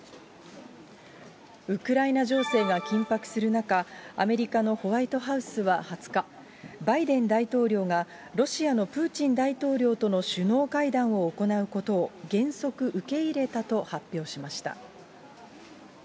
ウクライナ情勢が緊迫する中、アメリカのホワイトハウスは２０日、バイデン大統領がロシアのプーチン大統領との首脳会談を行うことを、原則受け入れたと発表しました。